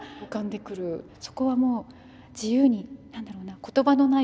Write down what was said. そこはもう自由に何だろうな言葉のない